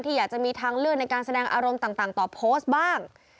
อยากจะมีทางเลือกในการแสดงอารมณ์ต่างต่อโพสต์บ้าง